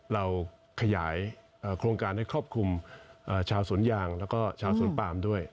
เราขยายโครงการให้ครอบคลุมชาวสวนยางแล้วก็ชาวสวนปามด้วย